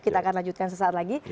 kita akan lanjutkan sesaat lagi